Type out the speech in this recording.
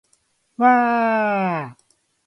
わーーーーーーーー